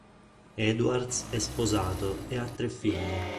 Edwards è sposato e ha tre figli.